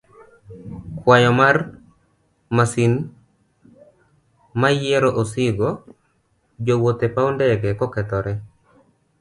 kwayo mar masin mayiero osigo, jowuoth e paw ndege kokethore.